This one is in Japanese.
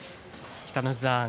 北の富士さん